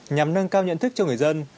nhằm nâng cao nhận thức cho người dân